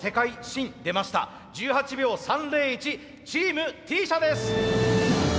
１８秒３０１チームＴ社です！